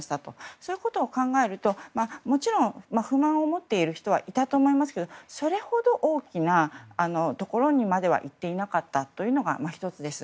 そういうことを考えるともちろん、不満を持っている人はいたと思いますがそれほど大きなところにまではいっていなかったというのが１つです。